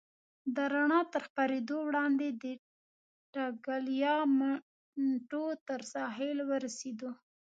د رڼا تر خپرېدو وړاندې د ټګلیامنټو تر ساحل ورسېدو.